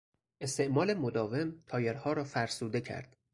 استعمال مداوم تایرها را فرسوده کرد.